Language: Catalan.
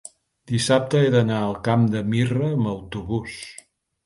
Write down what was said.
Dissabte he d'anar al Camp de Mirra amb autobús.